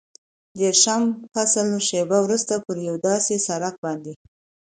دېرشم فصل، شېبه وروسته پر یو داسې سړک باندې.